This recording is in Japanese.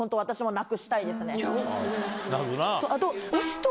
なるほどな。